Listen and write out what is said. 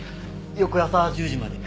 翌朝１０時まで。